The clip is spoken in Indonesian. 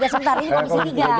sebentar ini komisi tiga